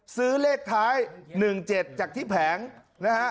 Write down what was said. ซื้อเลขท้าย๑๗จากที่แผงนะฮะ